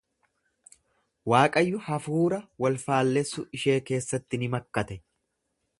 Waaqayyo hafuura wal-faallessu ishee keessatti ni makkate.